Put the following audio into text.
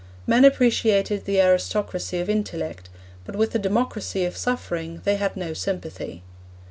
Men appreciated the aristocracy of intellect, but with the democracy of suffering they had no sympathy.